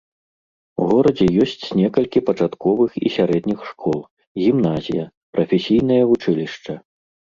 У горадзе ёсць некалькі пачатковых і сярэдніх школ, гімназія, прафесійнае вучылішча.